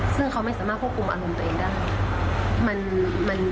ซึ่งเขาไม่สามารถควบคุมอารมณ์ตัวเองได้